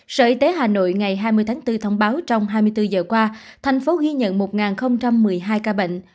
sở y tế hà nội ngày hai mươi tháng bốn thông báo trong hai mươi bốn giờ qua thành phố ghi nhận một một mươi hai ca bệnh